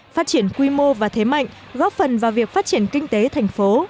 phát triển quy mô và thế mạnh góp phần vào việc phát triển kinh tế thành phố